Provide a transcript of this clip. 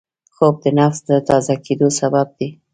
خوب د نفس د تازه کېدو سبب دی